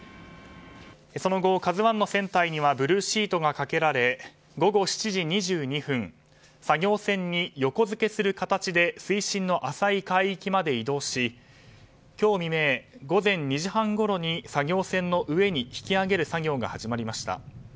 その後、「ＫＡＺＵ１」の船体にはブルーシートがかけられ午後７時２２分作業船に横付けする形で水深の浅い海域まで移動し今日未明、午前２時半ごろに作業船の上に引き揚げる作業が始まりました。